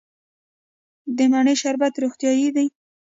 د مڼې شربت روغتیایی دی.